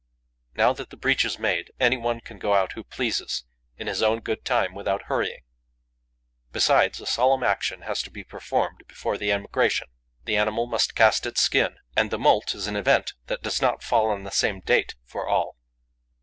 Now that the breach is made, any one can go out who pleases, in his own good time, without hurrying. Besides, a solemn action has to be performed before the emigration. The animal must cast its skin; and the moult is an event that does not fall on the same date for all.